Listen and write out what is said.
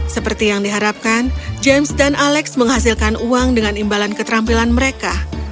seperti yang diharapkan james dan alex menghasilkan uang dengan imbalan keterampilan mereka